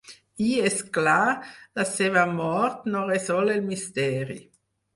I, és clar, la seva mort no resol el misteri.